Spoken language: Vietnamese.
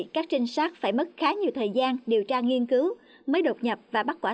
các trinh sát phải mất khá nhiều thời gian điều tra nghiên cứu mới đột nhập và bắt quả